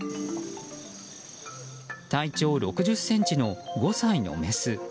体長６０ｃｍの５歳のメス。